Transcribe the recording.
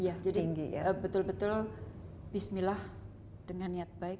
iya jadi betul betul bismillah dengan niat baik